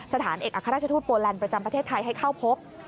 สถานเอกอัครราชทูตโปแลนด์ประจำประเทศไทยให้เข้าพบ